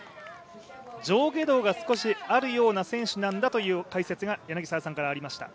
上下動が少しあるような選手なんだという解説が柳澤さんからありました。